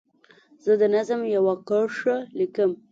زه د نظم یوه کرښه لیکم.